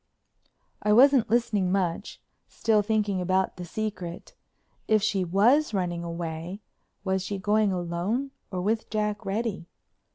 I wasn't listening much, still thinking about "the secret." If she was running away was she going alone or with Jack Reddy?